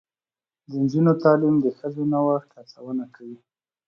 د نجونو تعلیم د ښځو نوښت هڅونه کوي.